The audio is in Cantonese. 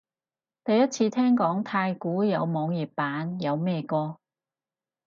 第一次聽講太鼓有網頁版，有咩歌？